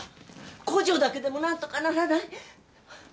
工場だけでも何とかならない？